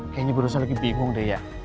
kayaknya gue rasa lagi bingung deh ya